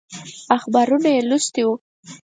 اخبارونه یې لوستي وو.